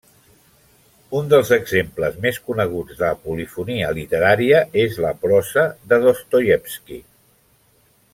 Un dels exemples més coneguts de polifonia literària és la prosa de Dostoievski.